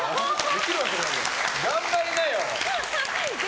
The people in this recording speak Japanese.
頑張りなよ！